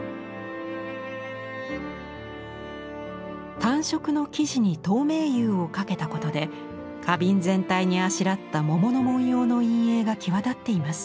単色の生地に透明釉をかけたことで花瓶全体にあしらった桃の文様の陰影が際立っています。